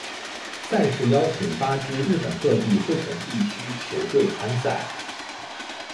赛事邀请八支日本各地不同地区球队参赛。